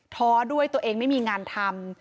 ท้อด้วยตัวเองไม่มีงานทำ